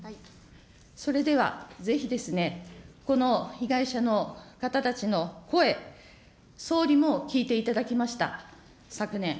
それではぜひですね、この被害者の方たちの声、総理も聞いていただきました、昨年。